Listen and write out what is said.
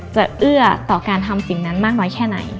เอื้อต่อการทำสิ่งนั้นมากน้อยแค่ไหน